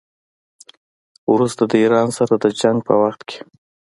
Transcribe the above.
وروسته د ایران سره د جنګ په وخت کې.